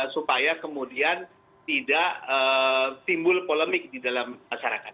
supaya kemudian tidak timbul polemik di dalam masyarakat